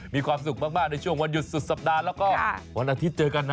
มีความสุขมากในช่วงวันหยุดสุดสัปดาห์แล้วก็วันอาทิตย์เจอกันนะ